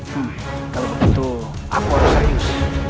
hmm kalau begitu aku orang serius